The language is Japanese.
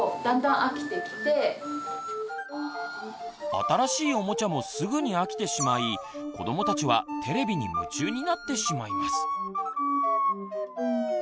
新しいおもちゃもすぐに飽きてしまい子どもたちはテレビに夢中になってしまいます。